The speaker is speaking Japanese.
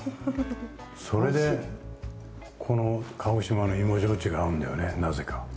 それでこの鹿児島の芋焼酎が合うんだよねなぜか。